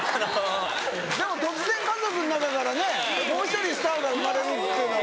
でも突然家族の中からもう１人スターが生まれるってのは。